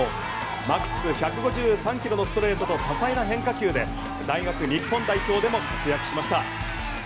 マックス１５３ｋｍのストレートと多彩な変化球で大学日本代表でも活躍しました。